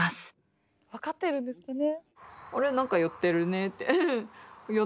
分かってるんですかね。